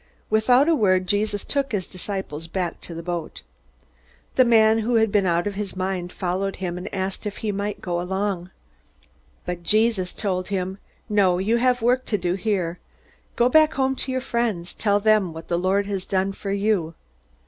Without a word Jesus took his disciples back to the boat. The man who had been out of his mind followed him, and asked if he might go along. But Jesus told him: "No, you have work to do here. Go back home to your friends. Tell them what the Lord has done for you."